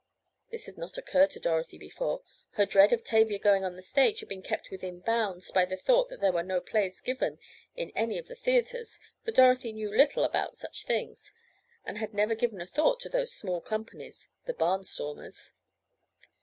This had not occurred to Dorothy before. Her dread of Tavia going on the stage had been kept within bounds by the thought that there were no plays given in any of the theatres, for Dorothy knew little about such things, and had never given a thought to those small companies—the "barnstormers."